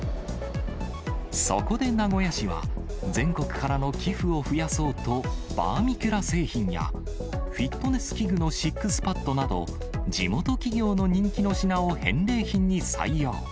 そこで名古屋市は、全国からの寄付を増やそうと、バーミキュラ製品や、フィットネス器具のシックスパッドなど、地元企業の人気の品を返礼品に採用。